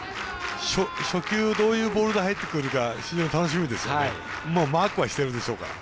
初球、どういうボールで入ってくるか非常に楽しみですよね。